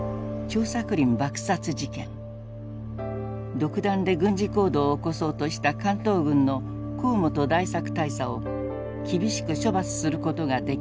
独断で軍事行動を起こそうとした関東軍の河本大作大佐を厳しく処罰することができなかった。